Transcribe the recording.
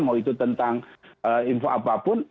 mau itu tentang info apapun